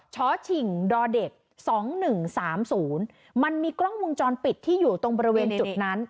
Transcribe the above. ชอชิงดอเด็กสองหนึ่งสามศูนย์มันมีกล้องวงจรปิดที่อยู่ตรงบริเวณจุดนั้น